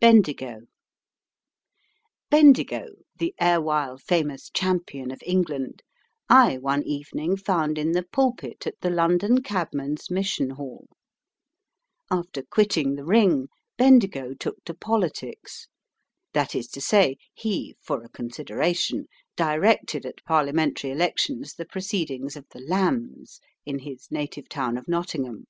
"BENDIGO." Bendigo, the erewhile famous champion of England, I one evening found in the pulpit at the London Cabman's Mission Hall. After quitting the ring, Bendigo took to politics; that is to say, he, for a consideration, directed at Parliamentary elections the proceedings of the "lambs" in his native town of Nottingham.